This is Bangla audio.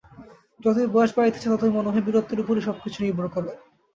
যতই বয়স বাড়িতেছে, ততই মনে হয়, বীরত্বের উপরই সব কিছু নির্ভর করে।